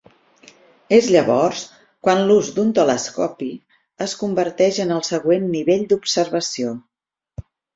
És llavors quan l'ús d'un telescopi es converteix en el següent nivell d'observació.